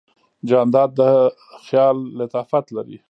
جانداد د خیال لطافت لري.